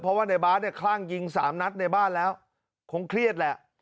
เพราะว่าในบาสเนี่ยคลั่งยิงสามนัดในบ้านแล้วคงเครียดแหละ